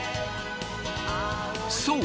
そう！